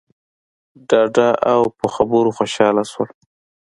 ډاډه او په خبرو خوشحاله شول.